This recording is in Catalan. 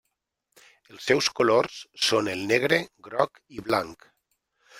Els seus colors són el negre, groc i blanc.